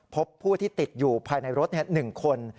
พบผู้ที่ติดอยู่ภายในรถ๑คน